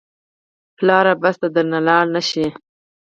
پلاره بس درنه لاړ نه شي.